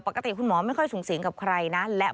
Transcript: ปกติคุณหมอไม่ค่อยสูงสิงกับใครนะ